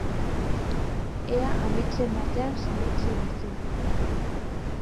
Ea ametsen batean sinetsi duzun.